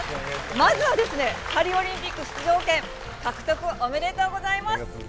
まずは、パリオリンピック出場権獲得、ありがとうございます。